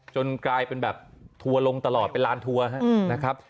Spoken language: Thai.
กลายเป็นแบบทัวร์ลงตลอดเป็นลานทัวร์นะครับ